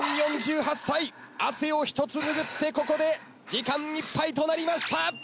汗を一つ拭ってここで時間いっぱいとなりました。